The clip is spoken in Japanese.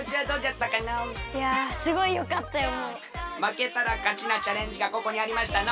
まけたらかちなチャレンジがここにありましたの。